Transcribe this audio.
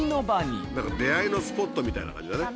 何か出会いのスポットみたいな感じだね。